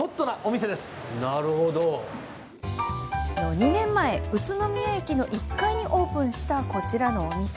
２年前、宇都宮駅の１階にオープンしたこちらの店。